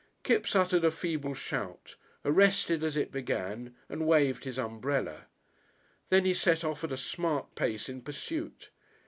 Kipps uttered a feeble shout, arrested as it began, and waved his umbrella. Then he set off at a smart pace in pursuit.